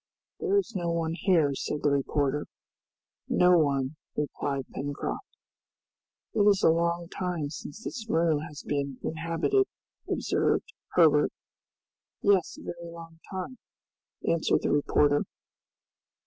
"There is no one here," said the reporter. "No one," replied Pencroft. "It is a long time since this room has been inhabited," observed Herbert. "Yes, a very long time!" answered the reporter.